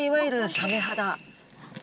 サメ肌。